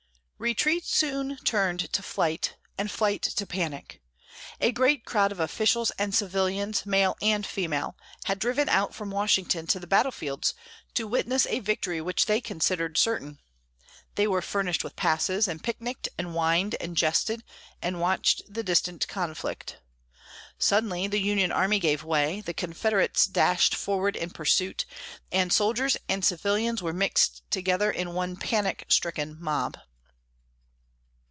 Retreat soon turned to flight and flight to panic. A great crowd of officials and civilians, male and female, had driven out from Washington to the battlefield to witness a victory which they considered certain. They were furnished with passes, and picnicked and wined and jested and watched the distant conflict. Suddenly the Union army gave way, the Confederates dashed forward in pursuit, and soldiers and civilians were mixed together in one panic stricken mob.